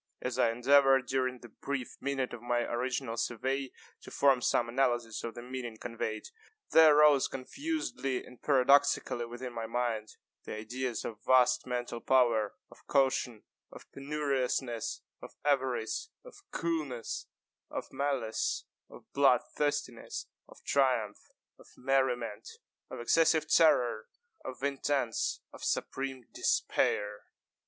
As I endeavored, during the brief minute of my original survey, to form some analysis of the meaning conveyed, there arose confusedly and paradoxically within my mind, the ideas of vast mental power, of caution, of penuriousness, of avarice, of coolness, of malice, of blood thirstiness, of triumph, of merriment, of excessive terror, of intense of supreme despair.